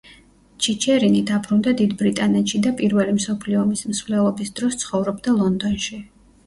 ჩიჩერინი დაბრუნდა დიდ ბრიტანეთში და პირველი მსოფლიო ომის მსვლელობის დროს ცხოვრობდა ლონდონში.